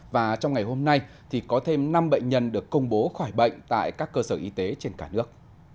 và trong ngày hôm nay thì có thêm năm bệnh nhân được công bố khỏi bệnh tại các cơ sở y tế trên cả nước